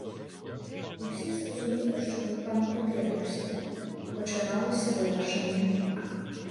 Всі зрозуміли, що вулкан прокинувся: починалося виверження.